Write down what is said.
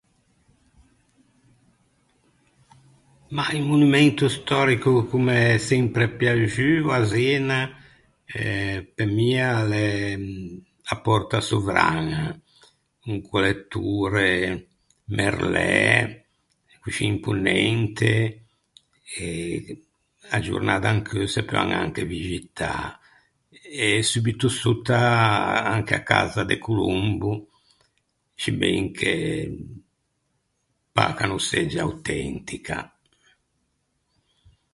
Mah un monumento stòrico ch’o m’é sempre piaxuo à Zena eh pe mi a l’é a Pòrta Sovraña, con quelle tore merlæ, coscì imponente e a-a giornâ d’ancheu se peuan anche vixitâ. E subito sotta anche a casa de Colombo, sciben che pâ ch’a no segge autentica.